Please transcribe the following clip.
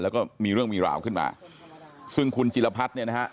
แล้วก็มีเรื่องมีราวขึ้นมาซึ่งคุณจิลพัฒน์เนี่ยนะฮะ